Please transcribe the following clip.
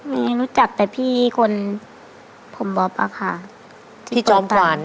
มีรู้จักแต่พี่คนผมบ๊อบอะค่ะพี่จอมขวัญ